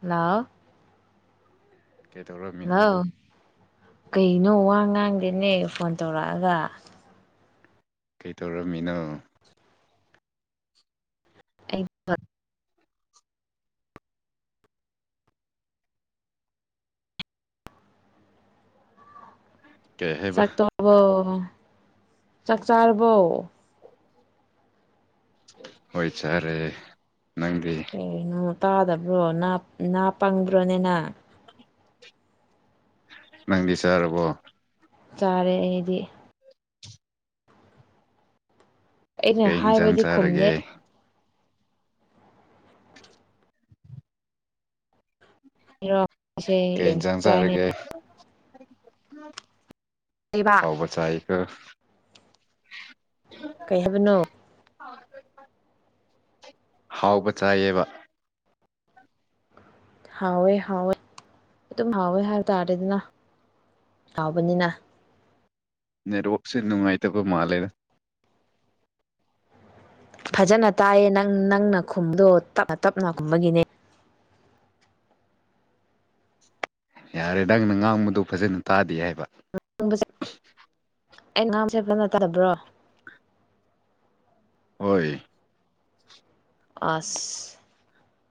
ꯍꯜꯂꯥꯎ ꯀꯩ ꯇꯧꯔꯒ ꯍꯜꯂꯣ ꯀꯩꯅꯣ ꯋꯥ ꯉꯥꯡꯗꯦꯅꯦ ꯐꯣꯟ ꯇꯧꯔꯛꯑꯒ ꯀꯩꯇꯧꯔꯝꯃꯤꯅꯣ ꯑꯩ ꯀꯩ ꯍꯥꯏꯕ ꯆꯥꯛ ꯇꯣꯛꯑꯕꯣ ꯆꯥꯛ ꯆꯥꯔꯕꯣ ꯍꯣꯏ ꯆꯥꯔꯦ ꯅꯪꯗꯤ ꯀꯩꯅꯣ ꯇꯥꯗꯕ꯭ꯔꯣ ꯅꯥ ꯄꯪꯕ꯭ꯔꯣꯅꯦ ꯅꯪ ꯑ [unintelligible] ꯅꯪꯗꯤ ꯆꯥꯔꯕꯣ ꯆꯥꯔꯦ ꯑꯩꯗꯤ ꯑꯩꯅ ꯀꯩ ꯌꯦꯟꯁꯥꯡ ꯍꯥꯏꯕꯗꯤ ꯈꯨꯝꯗꯦ ꯆꯥꯔꯒꯦ ꯏꯔꯣ ꯀꯩ ꯏꯟꯖꯥꯡ ꯆꯥꯔꯒꯦ ꯀꯩꯕ ꯍꯥꯎꯕ ꯆꯥꯀꯣ ꯀꯩ ꯍꯥꯏꯕꯅꯣ ꯍꯥꯎꯕ ꯆꯥꯏꯌꯦꯕ ꯍꯥꯎꯋꯦ ꯍꯥꯎꯋꯦ ꯑꯗꯨꯝ ꯍꯥꯎꯋꯦ ꯍꯥꯏ ꯇꯥꯔꯦꯗꯅ ꯍꯥꯎꯕꯅꯤꯅ ꯅꯦꯠꯋꯥꯛꯁꯦ ꯅꯨꯡꯉꯥꯏꯇꯕ ꯃꯥꯂꯦꯗ ꯐꯖꯅ ꯇꯥꯏꯌꯦ ꯅꯪ ꯅꯪꯅ ꯈꯨꯝꯕꯗꯣ ꯇꯞ ꯇꯞꯅ ꯈꯨꯝꯕꯒꯤꯅꯦ ꯌꯥꯔꯦ ꯅꯪꯅ ꯉꯥꯡꯕꯗꯣ ꯐꯖꯅ ꯇꯥꯗꯦ ꯍꯥꯏꯕ ꯉꯥꯡꯕꯁꯦ ꯑꯩ ꯉꯥꯡꯕꯁꯦ ꯐꯖꯅ ꯇꯥꯗꯕ꯭ꯔꯣ ꯍꯣꯏ ꯑꯁ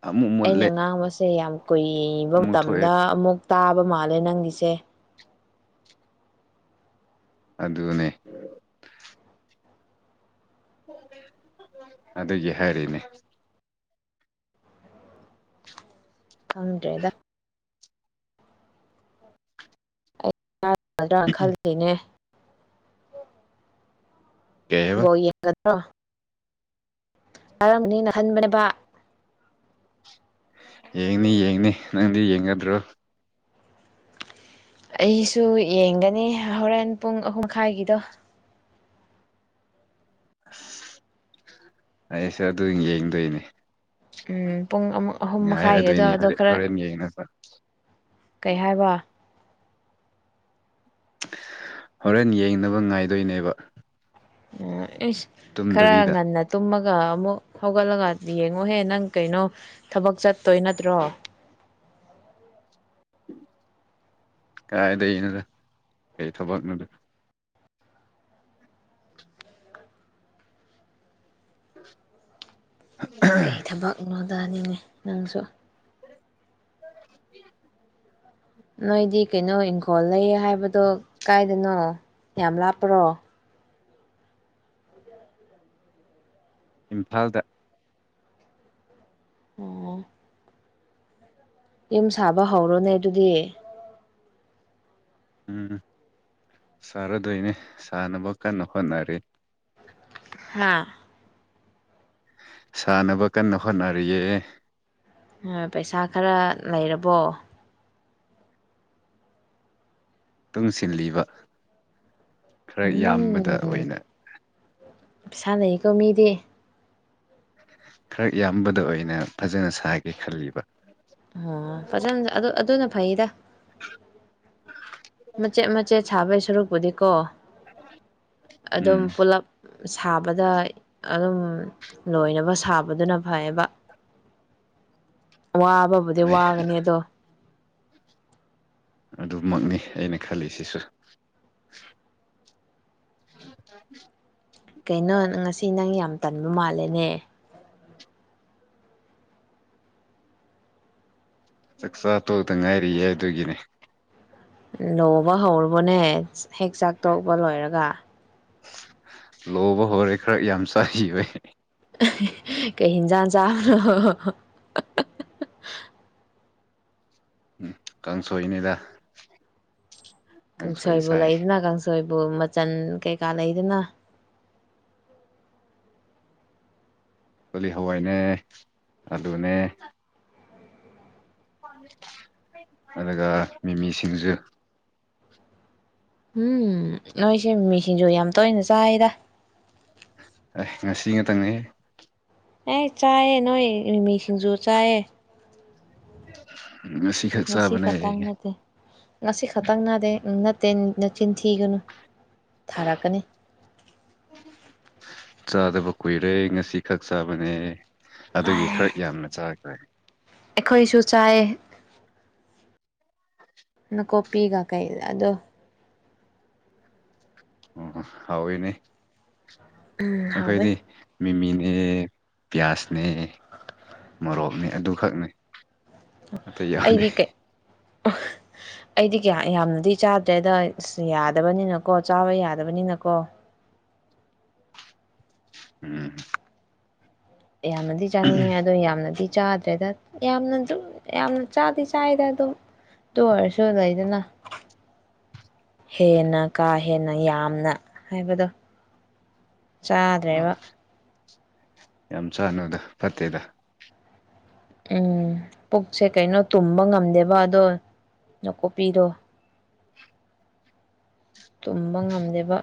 ꯑꯃꯨꯛ ꯑꯩꯅ ꯃꯨꯠꯂꯦ ꯉꯥꯡꯕꯁꯦ ꯌꯥꯝ ꯀꯨꯏꯕ ꯑꯃꯨꯛ ꯊꯣꯛꯑꯦ ꯃꯇꯝꯗ ꯑꯃꯨꯛ ꯇꯥꯕ ꯃꯥꯜꯂꯦ ꯅꯪꯒꯤꯁꯦ ꯑꯗꯨꯅꯦ ꯑꯗꯨꯒꯤ ꯍꯥꯏꯔꯤꯅꯦ ꯈꯪꯗ꯭ꯔꯦꯗ ꯌꯥꯔꯒꯗ꯭ꯔꯥ ꯈꯜꯂꯤꯅꯦ ꯀꯩ ꯍꯥꯏꯕ ꯕꯣꯜ ꯌꯦꯡꯒꯗ꯭ꯔꯣ ꯇꯥꯔꯝꯕꯅꯤꯅ ꯍꯟꯕꯅꯦꯕ ꯌꯦꯡꯅꯤ ꯌꯦꯡꯅꯤ ꯅꯪꯗꯤ ꯌꯦꯡꯒꯗ꯭ꯔꯣ ꯑꯩꯁꯨ ꯌꯦꯡꯒꯅꯤ ꯍꯣꯔꯦꯟ ꯄꯨꯡ ꯑꯍꯨꯝꯈꯥꯏꯒꯤꯗꯣ ꯑꯩꯁꯨ ꯑꯗꯨ ꯌꯦꯡꯗꯣꯏꯅꯦ ꯎꯝ ꯄꯨꯡ ꯑꯍꯨꯝ ꯃꯈꯥꯏꯒꯤꯗꯣ ꯉꯥꯏꯔꯗꯣꯏꯅꯤ ꯍꯣ ꯑꯗꯣ ꯈꯔ ꯍꯣꯔꯦꯟ ꯌꯦꯡꯉꯒ ꯀꯩ ꯍꯥꯏꯕ ꯍꯣꯔꯦꯟ ꯌꯦꯡꯅꯕ ꯉꯥꯏꯗꯣꯏꯅꯦꯕ ꯑꯣ ꯏꯁ ꯈꯔ ꯇꯨꯝꯗꯕꯤꯗ ꯉꯟꯅ ꯇꯨꯝꯃꯒ ꯑꯃꯨꯛ ꯍꯧꯒꯠꯂꯒ ꯌꯦꯡꯉꯣꯍꯦ ꯅꯪ ꯀꯩꯅꯣ ꯊꯕꯛ ꯆꯠꯇꯣꯏ ꯅꯠꯇ꯭ꯔꯣ ꯀꯥꯔꯥꯏꯗꯩꯅꯣꯗ ꯀꯩ ꯊꯕꯛꯅꯣꯗ [unintelligible] ꯀꯩ ꯊꯕꯛꯅꯣꯗꯅꯤꯅꯦ ꯅꯪꯁꯨ ꯅꯣꯏꯗꯤ ꯀꯩꯅꯣ ꯏꯪꯈꯣꯜ ꯂꯩ ꯍꯥꯏꯕꯗꯣ ꯀꯥꯏꯗꯅꯣ ꯌꯥꯝ ꯂꯥꯞꯄ꯭ꯔꯣ ꯏꯝꯐꯥꯜꯗ ꯑꯣ ꯌꯨꯝ ꯁꯥꯕ ꯍꯧꯔꯣꯅꯦ ꯑꯗꯨꯗꯤ ꯎꯝ ꯁꯥꯔꯗꯣꯏꯅꯦ ꯁꯥꯥꯟꯅꯕ ꯀꯟꯅ ꯍꯣꯠꯅꯔꯤ ꯍꯥꯥ ꯁꯥꯟꯅꯕ ꯀꯟꯅ ꯍꯣꯠꯅꯔꯤꯌꯦ ꯄꯩꯁꯥ ꯈꯔ ꯂꯩꯔꯕꯣ ꯇꯨꯡꯁꯤꯜꯂꯤꯕ ꯈꯔ ꯌꯥꯝꯕꯗ ꯎꯝ ꯑꯣꯏꯅ ꯄꯩꯁꯥ ꯂꯩꯀꯣ ꯃꯤꯗꯤ ꯈꯔ ꯌꯥꯝꯕꯗ ꯑꯣꯏꯅ ꯐꯖꯅ ꯁꯥꯒꯦ ꯈꯜꯂꯤꯕ ꯑꯣ ꯐꯖꯅ ꯑꯗꯨ ꯑꯗꯨꯅ ꯐꯩꯗ [unintelligible] ꯃꯆꯦꯠ ꯃꯆꯦꯠ ꯁꯥꯕꯩ ꯁꯔꯨꯛꯄꯨꯗꯤꯀꯣ ꯑꯗꯨꯝ ꯎꯝ ꯄꯨꯂꯞ ꯁꯥꯕꯗ ꯑꯗꯨꯝ ꯂꯣꯏꯅꯕ ꯁꯥꯕꯗꯨꯅ ꯐꯩꯌꯦꯕ ꯋꯥꯕꯕꯨꯗꯤ ꯍꯣꯏ ꯋꯥꯒꯅꯤ ꯑꯗꯣ ꯑꯗꯨꯃꯛꯅꯤ ꯑꯩꯅ ꯈꯜꯂꯤꯁꯤꯁꯨ [unintelligible] ꯀꯩꯅꯣ ꯅꯪ ꯉꯁꯤ ꯅꯪ ꯌꯥꯝ ꯇꯟꯕ ꯃꯥꯜꯂꯦꯅꯦ ꯆꯥꯛꯆꯥ ꯊꯣꯛꯗ ꯉꯥꯏꯔꯤꯌꯦ ꯑꯗꯨꯒꯤꯅꯦ ꯂꯣꯕ ꯍꯧꯔꯣꯕꯣꯅꯦ ꯍꯦꯛ ꯆꯥꯛ ꯇꯣꯛꯄ ꯂꯣꯏꯔꯒ ꯂꯣꯕ ꯍꯣꯔꯦ ꯈꯔ ꯌꯥꯝ ꯆꯥꯒꯤꯕꯩ ꯀꯩ ꯍꯤꯡꯖ ꯆꯅꯣ ꯎꯝ ꯀꯥꯡꯁꯣꯏꯅꯤꯗ ꯀꯥꯡꯁꯣꯏ ꯀꯪꯁꯣꯏꯕꯨ ꯆꯥꯏ ꯂꯩꯗꯅ ꯀꯥꯡꯁꯣꯏꯕꯨ ꯃꯆꯟ ꯀꯩꯀꯥ ꯂꯩꯗꯅ ꯀꯒꯣꯂꯤ ꯍꯋꯥꯏꯅꯦ ꯑꯂꯨꯅꯦ ꯑꯗꯨꯒ ꯃꯤꯃꯤ ꯁꯤꯡꯖꯨ ꯎꯝ ꯅꯣꯏꯁꯦ ꯃꯤꯃꯤꯁꯤꯡꯖꯨ ꯌꯥꯝ ꯇꯣꯏꯅ ꯆꯥꯏꯗ ꯑꯦ ꯉꯁꯤ ꯉꯥꯇꯪꯅꯦ ꯑꯦ ꯆꯥꯏꯌꯦ ꯅꯣꯏ ꯃꯤꯃꯤꯁꯤꯡꯖꯨ ꯆꯥꯏꯌꯦ ꯉꯁꯤ ꯈꯛ ꯉꯁꯤ ꯆꯥꯕꯅꯦ ꯈꯛꯇꯪ ꯑꯩ ꯅꯠꯇꯦ ꯉꯁꯤ ꯈꯛꯇꯪ ꯅꯥꯗꯦ ꯅꯠꯇꯦ ꯅ ꯆꯤꯟꯊꯤꯒꯅꯨ ꯊꯥꯔꯛꯀꯅꯤ ꯆꯥꯗꯕ ꯀꯨꯏꯔꯦ ꯉꯁꯤ ꯈꯛ ꯆꯥꯕꯅꯦ ꯑꯗꯨꯒꯤ ꯈꯔꯛ ꯌꯥꯝꯅ ꯆꯥꯈꯔꯦ ꯑꯩꯈꯣꯏꯁꯨ ꯆꯥꯏ ꯅꯀꯣꯄꯤꯒ ꯀꯩꯂꯥ ꯑꯗꯣ ꯑꯣ ꯍꯥꯎꯋꯤꯅꯦ ꯎꯝ ꯍꯥꯎꯋꯦ ꯑꯩꯈꯣꯏꯗꯤ ꯃꯤꯃꯤꯅꯦ ꯄꯤꯌꯥꯁꯅꯦ ꯃꯣꯔꯣꯛꯅꯦ ꯑꯗꯨꯈꯛꯅꯦ ꯑꯇꯩ ꯌꯥꯎꯗꯦ ꯑꯩꯗꯤ ꯀꯩ ꯑꯩꯗꯤ ꯀꯌꯥ ꯌꯥꯝꯅꯗꯤ ꯆꯥꯗ꯭ꯔꯦ ꯑꯗꯣ ꯑꯁ ꯌꯥꯗꯕꯅꯤꯅꯀꯣ ꯆꯥꯕ ꯌꯥꯗꯕꯅꯤꯅꯀꯣ ꯎꯝ ꯌꯥꯝꯅꯗꯤ ꯆꯥꯅꯤꯡꯉꯦ ꯑꯗꯣ ꯌꯥꯝꯅꯗꯤ ꯆꯥꯗ꯭ꯔꯦꯗ ꯌꯥꯝꯅ ꯑꯗꯨꯝ ꯌꯥꯝꯅ ꯆꯥꯗꯤ ꯆꯥꯏꯗ ꯑꯗꯨꯝ ꯑꯗꯨ ꯑꯣꯏꯔꯁꯨ ꯂꯩꯗꯅ ꯍꯦꯟꯅ ꯀꯥ ꯍꯦꯟꯅ ꯌꯥꯝꯅ ꯍꯥꯏꯕꯗꯣ ꯑꯣ ꯆꯥꯗ꯭ꯔꯦꯕ ꯌꯥꯝ ꯆꯥꯅꯨꯗ ꯐꯠꯇꯦꯗ ꯎꯝ ꯄꯨꯛꯁꯦ ꯀꯩꯅꯣ ꯇꯨꯝꯕ ꯉꯝꯗꯦꯕ ꯑꯗꯣ ꯅꯥꯀꯨꯞꯄꯤꯗꯣ ꯇꯨꯝꯕ ꯉꯝꯗꯦꯕ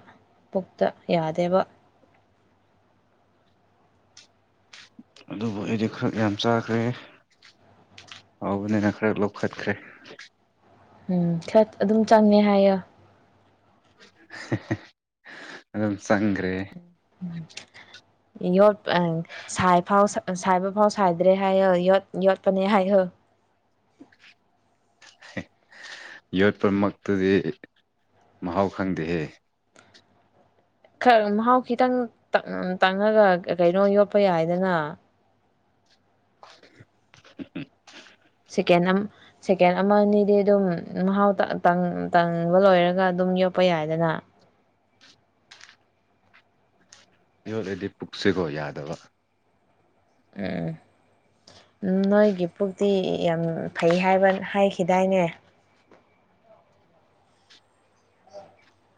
ꯄꯨꯛꯇ ꯌꯥꯗꯦꯕ ꯑꯗꯨꯕꯨ ꯑꯩꯗꯤ ꯈꯔ ꯌꯥꯝ ꯆꯥꯈ꯭ꯔꯦ ꯍꯥꯎꯕꯅꯤꯅ ꯈꯔ ꯂꯧꯈꯠꯈ꯭ꯔꯦ ꯎꯝ ꯈꯔ ꯑꯗꯨꯝ ꯆꯪꯉꯦ ꯍꯥꯏꯌꯦ ꯑꯗꯨꯝ ꯆꯪꯒ꯭ꯔꯦ ꯌꯣꯠꯄ ꯥꯁꯥꯏ ꯐꯥꯎ ꯁꯥꯏꯕ ꯐꯥꯎ ꯁꯥꯏꯗ꯭ꯔꯦ ꯍꯥꯏꯌꯣ ꯌꯣꯠꯄꯅꯦ ꯍꯥꯏꯌꯣ ꯌꯣꯠꯄꯃꯛꯇꯨꯗꯤ ꯃꯍꯥꯎ ꯈꯪꯗꯦꯍꯦ ꯈꯔ ꯃꯍꯥꯎ ꯈꯤꯇꯪ ꯇꯪ ꯇꯪꯉꯒ ꯀꯩꯅꯣ ꯌꯣꯠꯄ ꯌꯥꯏꯗꯅ [unintelligible] ꯁꯦꯀꯦꯟ ꯑꯃ ꯁꯦꯀꯦꯟ ꯑꯃ ꯑꯅꯤꯗꯤ ꯑꯗꯨꯝ ꯃꯍꯥꯎ ꯇꯪ ꯇꯪꯕ ꯂꯣꯏꯔꯒ ꯑꯗꯨꯝ ꯌꯣꯠꯄ ꯌꯥꯏꯗꯅ ꯌꯣꯠꯂꯗꯤ ꯄꯨꯛꯁꯦꯀꯣ ꯌꯥꯗꯕ ꯑꯦ ꯅꯣꯏꯒꯤ ꯄꯨꯛꯇꯤ ꯌꯥꯝ ꯐꯩ ꯍꯥꯏꯕ ꯍꯥꯏꯈꯤꯗꯥꯏꯅꯦ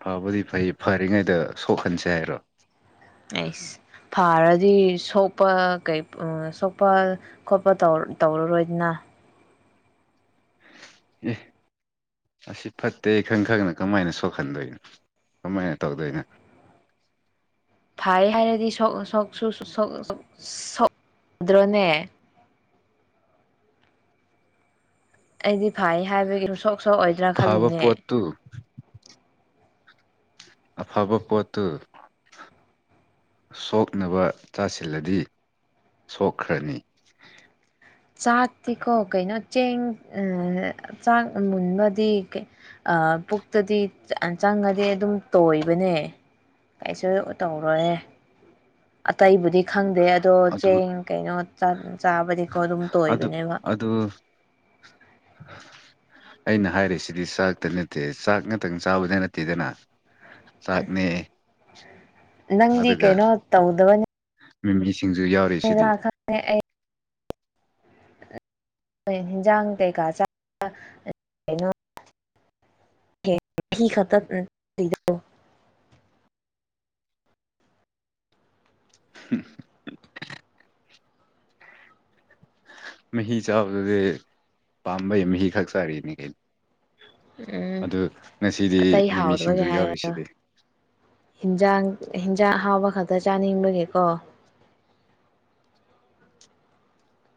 ꯐꯕꯨꯗꯤ ꯐꯩ ꯐꯔꯤꯉꯩꯗ ꯁꯣꯛꯍꯟꯁꯦ ꯍꯥꯏꯔꯣ ꯑꯩꯁ ꯐꯔꯗꯤ ꯁꯣꯛꯄ ꯀꯩ ꯁꯣꯛꯄ ꯈꯣꯠꯄ ꯇꯧ ꯇꯧꯔꯔꯣꯏꯗꯅ ꯑꯦ ꯑꯁꯤ ꯐꯠꯇꯦ ꯈꯪ ꯈꯪꯅ ꯀꯃꯥꯏꯅ ꯁꯣꯛꯍꯟꯗꯣꯏꯅꯣ ꯀꯃꯥꯏꯅ ꯇꯧꯗꯣꯏꯅꯣ ꯐꯩ ꯍꯥꯏꯔꯗꯤ ꯁꯣꯛ ꯁꯣꯛ ꯁꯣꯛꯁꯨ ꯁꯣꯛ ꯁꯣꯛꯗ꯭ꯔꯣꯅꯦ ꯑꯩꯗꯤ ꯐꯩ ꯍꯥꯏꯕꯒꯤ ꯁꯨꯝ ꯁꯣꯛ ꯁꯣꯛꯑꯣꯏꯗ꯭ꯔꯥ ꯐꯕ ꯈꯜꯂꯤꯅꯦ ꯄꯣꯠꯇꯨ ꯑꯐꯕ ꯄꯣꯠꯇꯨ ꯁꯣꯛꯅꯕ ꯆꯥꯁꯤꯜꯂꯗꯤ ꯁꯣꯛꯈ꯭ꯔꯅꯤ ꯆꯥꯛꯇꯤꯀꯣ ꯀꯩꯅꯣ ꯆꯦꯡ ꯑ ꯆꯥꯛ ꯃꯨꯟꯕꯗꯤ ꯑ ꯄꯨꯛꯇꯗꯤ ꯆꯪꯉꯗꯤ ꯑꯗꯨꯝ ꯇꯣꯏꯕꯅꯦ ꯀꯩꯁꯨ ꯇꯧꯔꯣꯏꯌꯦ ꯑꯇꯩꯕꯨꯗꯤ ꯈꯪꯗꯦ ꯑꯗꯣ ꯑꯗꯨ ꯆꯦꯡ ꯀꯩꯅꯣ ꯆꯥꯛ ꯆꯥꯕꯗꯤꯀꯣ ꯑꯗꯨꯝ ꯑꯗꯨ ꯇꯣꯏꯕꯅꯦꯕ ꯑꯗꯨ [unintelligible] ꯑꯩꯅ ꯍꯥꯏꯔꯤꯁꯤꯗꯤ ꯆꯥꯛꯇ ꯅꯠꯇꯦ ꯆꯥꯛ ꯉꯛꯇꯪ ꯆꯥꯕꯗꯤ ꯅꯠꯇꯦꯗꯅ ꯆꯥꯛꯅꯦ ꯅꯪꯗꯤ ꯑꯗꯨꯒ ꯀꯩꯅꯣ ꯃꯤꯃꯤ ꯁꯤꯡꯖꯨ ꯌꯥꯎ [unintelligible] ꯈꯪꯗꯦ ꯑꯩ ꯀꯩ ꯏꯟꯖꯥꯡ ꯀꯩꯀꯥ ꯆꯥ ꯀꯩꯅꯣ ꯐꯤ ꯈꯛꯇ ꯎꯝ ꯄꯤꯗꯧ [unintelligible] ꯃꯍꯤ ꯆꯥꯕꯗꯨꯗꯤ ꯄꯥꯝꯕꯩ ꯃꯍꯤ ꯈꯛ ꯆꯥꯔꯤꯅꯤ ꯀꯩꯅꯣ ꯎꯝ ꯑꯗꯨ ꯉꯁꯤꯗꯤ ꯑꯇꯩ ꯃꯤꯃꯤ ꯍꯥꯎꯗꯕꯒꯤ ꯁꯤꯡꯖꯨ ꯍꯥꯏꯔꯒ ꯌꯥꯎꯔꯤꯁꯤꯗꯤ ꯍꯤꯟꯖꯥꯡ ꯍꯤꯟꯖꯥꯡ ꯑꯍꯥꯎꯕ ꯈꯛꯇ ꯆꯥꯅꯤꯡꯕꯒꯤꯀꯣ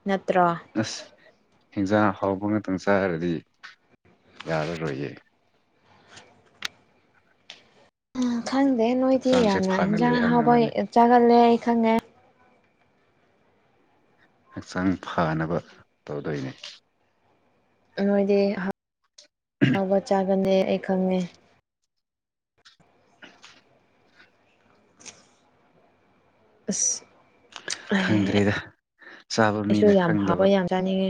ꯅꯠꯇ꯭ꯔꯣ ꯑꯁ ꯍꯤꯟꯖꯥꯡ ꯍꯥꯎꯕ ꯉꯥꯛꯇꯪ ꯆꯥꯔꯗꯤ ꯌꯥꯔꯔꯣꯏꯌꯦ ꯈꯪꯗꯦ ꯅꯣꯏꯗꯤ ꯍꯛꯆꯥꯡꯁꯦ ꯌꯥꯝꯅ ꯐꯅ ꯍꯤꯟꯖꯥꯡ ꯑꯍꯥꯎꯕ ꯂꯩꯍꯟꯅꯕꯅꯦ ꯆꯥꯒꯜꯂꯦ ꯑꯩ ꯈꯪꯉꯦ ꯍꯛꯆꯥꯡ ꯐꯅꯕ ꯇꯧꯗꯣꯏꯅꯦ ꯅꯣꯏꯗꯤ ꯑꯍꯥꯎꯕ ꯆꯥꯒꯜꯂꯦ ꯑꯩ ꯈꯪꯉꯦ [unintelligible] ꯑꯁ ꯈꯪꯗ꯭ꯔꯦꯗ ꯆꯥꯕ ꯑꯩꯁꯨ ꯃꯤꯅ ꯌꯥꯝ ꯈꯪꯗꯕ ꯍꯥꯎꯋꯦ ꯌꯥꯝ ꯆꯥꯅꯤꯡꯉꯦ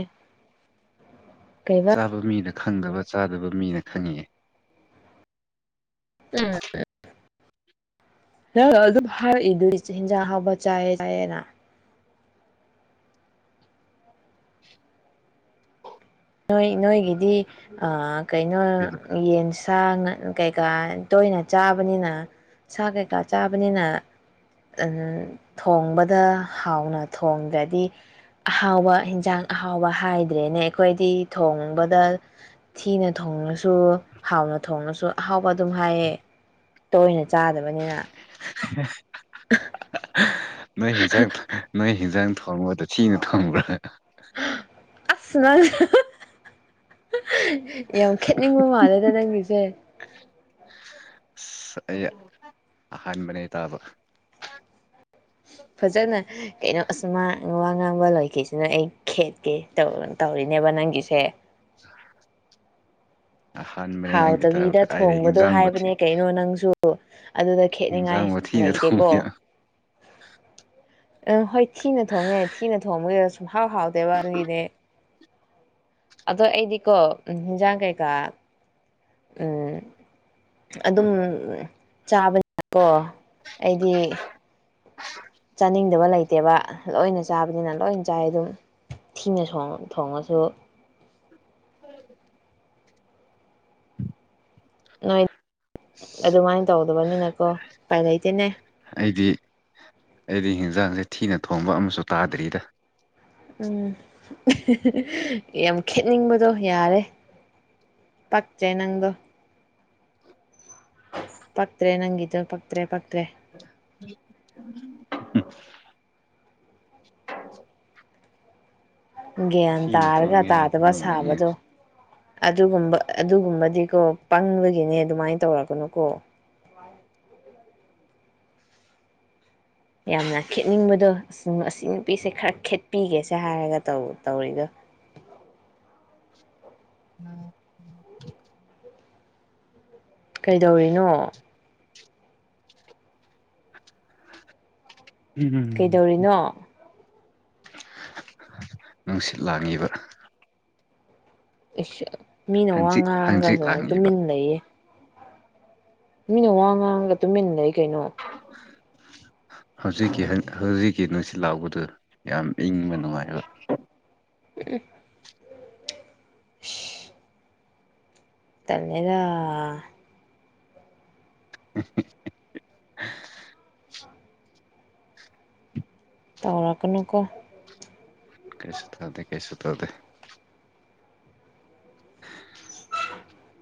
ꯀꯩ ꯑꯗꯣ ꯃꯤꯅ ꯈꯪꯗꯕ ꯆꯥꯗꯕ ꯃꯤꯅ ꯈꯪꯉꯦ [unintelligible] ꯅꯪ ꯑꯗꯨꯝ ꯍꯥꯏꯔꯛꯏꯗꯨꯗꯤ ꯍꯤꯟꯖꯥꯡ ꯑꯍꯥꯎꯕ ꯆꯥꯏꯌꯦ ꯆꯥꯏꯌꯦꯅ ꯅꯣꯏ ꯅꯣꯏꯒꯤꯗꯤ ꯑꯥ ꯀꯩꯅꯣ ꯌꯦꯟꯁ ꯁꯥ ꯉꯥ ꯀꯩꯀꯥ ꯇꯣꯏꯅ ꯆꯥꯕꯅꯤꯅ ꯁꯥ ꯀꯩꯀꯥ ꯆꯥꯕꯅꯤꯅ ꯊꯣꯡꯕꯗ ꯍꯥꯎꯅ ꯊꯣꯡꯗꯗꯤ ꯑꯍꯥꯎꯕ ꯍꯤꯟꯖꯥꯡ ꯑꯍꯥꯎꯕ ꯍꯥꯏꯗ꯭ꯔꯦꯅꯦ ꯑꯩꯈꯣꯏꯗꯤ ꯊꯣꯡꯕꯗ ꯊꯤꯅ ꯊꯣꯡꯔꯁꯨ ꯍꯥꯎꯅ ꯊꯣꯡꯔꯁꯨ ꯑꯍꯥꯎꯕ ꯑꯗꯨꯝ ꯍꯥꯏꯌꯦ ꯇꯣꯏꯅ ꯆꯥꯗꯕꯅꯤꯅ ꯅꯣꯏ ꯍꯤꯡꯖꯥꯡꯗꯣ ꯅꯣꯏ ꯍꯤꯟꯖꯥꯡ ꯊꯣꯡꯕꯗꯣ ꯊꯤꯅ ꯊꯣꯡꯕ꯭ꯔꯥ ꯑꯁ ꯅꯪꯁꯨ ꯌꯥꯝ ꯈꯦꯠꯅꯤꯡꯕ ꯃꯥꯜꯂꯦꯗ ꯅꯪꯒꯤꯁꯦ ꯑꯩ ꯑꯍꯥꯟꯕꯅꯦ ꯇꯥꯕ ꯐꯖꯅ ꯀꯩꯅꯣ ꯑꯁ ꯃꯥ ꯋꯥ ꯉꯥꯡꯕ ꯂꯣꯏꯈꯤꯁ꯭ꯅꯨ ꯑꯩ ꯈꯦꯠꯀꯦ ꯇꯧꯑꯣꯅ ꯇꯧꯔꯤꯅꯦꯕ ꯅꯪꯒꯤꯁꯦ [unintelligible] ꯑꯍꯥꯟꯕꯅꯦ ꯅꯪꯒꯤ ꯇꯥꯕ ꯍꯥꯎꯇꯕꯤꯗ ꯀꯥꯏꯗꯩ ꯊꯣꯡꯕꯗꯣ ꯍꯤꯟꯖꯥꯡꯕꯨ ꯊꯤ ꯍꯥꯏꯕꯅꯦ ꯀꯩꯅꯣ ꯅꯪꯁꯨ ꯑꯗꯨꯗ ꯑꯗꯨꯗ‌ ꯈꯦꯠꯅꯤꯡꯉꯥꯏ ꯍꯤꯟꯖꯥꯡꯕꯨ ꯊꯤꯅ ꯂꯩꯇꯦꯀꯣ ꯊꯣꯡꯕꯤ ꯑꯪ ꯍꯣꯏ ꯊꯤꯅ ꯊꯣꯡꯉꯦ ꯊꯤꯅ ꯊꯣꯡꯕꯒꯤ ꯁꯨꯝ ꯍꯥꯎ ꯍꯥꯎꯇꯦꯕ ꯑꯗꯨꯒꯤꯅ‌ꯦ ꯑꯗꯣ ꯑꯩꯗꯤꯀꯣ ꯎꯝ ꯍꯤꯟꯖꯥꯡ ꯀꯩꯀꯥ ꯎꯝ ꯑꯗꯨꯝ ꯆꯥꯕꯅꯤꯅ ꯀꯣ ꯑꯩꯗꯤ ꯆꯥꯅꯤꯡꯗꯕ ꯂꯩꯇꯦꯕ ꯂꯣꯏꯅ ꯆꯥꯕꯅꯤꯅ ꯂꯣꯏꯅ ꯆꯥꯏ ꯗꯨꯝ ꯊꯤꯅ ꯁꯣꯡ ꯊꯣꯡꯉꯁꯨ ꯅꯣꯏ ꯑꯗꯨꯃꯥꯏ ꯇꯧꯗꯕꯅꯤꯅꯀꯣ ꯎꯄꯥꯏ ꯂꯩꯇꯦꯅꯦ ꯑꯩꯗꯤ ꯑꯩꯗꯤ ꯍꯤꯟꯖꯥꯡꯁꯦ ꯊꯤꯅ ꯊꯣꯡꯕ ꯑꯃꯁꯨ ꯇꯥꯗ꯭ꯔꯤꯗ ꯎꯝ ꯌꯥꯝ ꯈꯦꯠꯅꯤꯡꯕꯗꯣ ꯌꯥꯔꯦ ꯄꯛꯇ꯭ꯔꯦ ꯅꯪꯗꯣ ꯄꯛꯇ꯭ꯔꯦ ꯅꯪꯒꯤꯗꯣ ꯄꯛꯇ꯭ꯔꯦ ꯄꯛꯇ꯭ꯔꯦ ꯍ ꯒ꯭ꯌꯥꯟ ꯇꯥꯔꯒ ꯊꯣꯡꯉꯦ ꯍꯥꯏꯗꯨ ꯇꯥꯗꯕ ꯅꯣꯡꯃꯩꯅꯦ ꯁꯥꯕꯗꯨ ꯑꯗꯨꯒꯨꯝꯕ ꯑꯗꯨꯒꯨꯝꯕꯗꯤꯀꯣ ꯄꯪꯕꯒꯤꯅꯦ ꯑꯗꯨꯃꯥꯏꯟ ꯇꯧꯔꯛꯒꯅꯨꯀꯣ ꯋꯥꯏ ꯌꯥꯝꯅ ꯈꯦꯠꯅꯤꯡꯕꯗꯣ ꯑꯁꯤ ꯅꯨꯄꯤꯁꯦ ꯈꯔ ꯈꯦꯠꯄꯤꯒꯦꯁꯦ ꯍꯥꯏꯔꯒ ꯇꯧ ꯇꯧꯔꯤꯗꯣ ꯎꯝ ꯀꯩꯗꯧꯔꯤꯅꯣ ꯎꯝ ꯍꯝ ꯎ ꯎ ꯀꯩꯗꯧꯔꯤꯅꯣ ꯅꯨꯡꯁꯤꯠ ꯂꯥꯡꯉꯤꯕ ꯏꯁ ꯃꯤꯅ ꯋꯥ ꯍꯪꯆꯤꯠ ꯍꯪꯆꯤꯠ ꯉꯥꯡꯒꯁꯨ ꯂꯥꯡꯉꯤꯕ ꯇꯨꯃꯤꯟꯅ ꯂꯩꯩꯌꯦ ꯃꯤꯅ ꯋꯥ ꯉꯥꯡꯉꯒ ꯇꯨꯃꯤꯟꯅ ꯂꯩ ꯀꯩꯅꯣ ꯍꯧꯖꯤꯛꯀꯤ ꯍꯧꯖꯤꯛꯀꯤ ꯅꯨꯡꯁꯤꯠ ꯂꯥꯎꯕꯗꯨ ꯌꯥꯝ ꯏꯪꯕ ꯅꯨꯡꯉꯥꯏꯕ ꯎꯝ ꯏꯁ ꯇꯜꯂꯦꯗꯥ [unintelligible] ꯇꯧꯔꯛꯀꯅꯨꯀꯣ ꯀꯔꯤꯁꯨ ꯇꯧꯗꯦ ꯀꯩꯁꯨ ꯇꯧꯗꯦ [inaudible] [unintelligible]